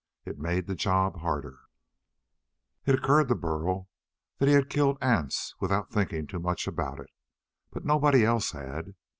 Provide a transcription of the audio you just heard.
It made the job harder. It occurred to Burl that he had killed ants without thinking too much about it, but nobody else had.